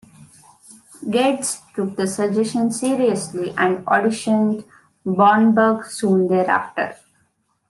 Getz took the suggestion seriously, and auditioned Bromberg soon thereafter.